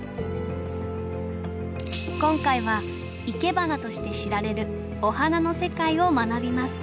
今回はいけばなとして知られるお花の世界を学びます。